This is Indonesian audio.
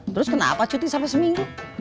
terus kenapa cuti sampai seminggu